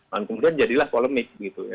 dan kemudian jadilah polemik